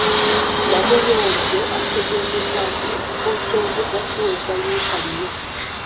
Namuyonjo ategeezezza nti ekifo ky'embuga kiweza yiika nnya.